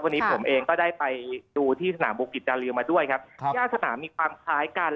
วันนี้ผมเองก็ได้ไปดูที่สนามบุกิจดาลืมมาด้วยครับครับย่าสนามมีความคล้ายกัน